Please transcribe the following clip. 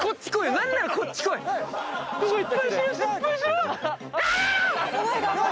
何ならこっち来い！